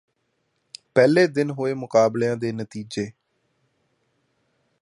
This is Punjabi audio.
ਪਹਿਲੇ ਦਿਨ ਹੋਏ ਮੁਕਾਬਲਿਆਂ ਦੇ ਨਤੀਜੇ